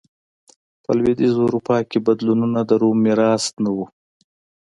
په لوېدیځه اروپا کې بدلونونه د روم میراث نه و.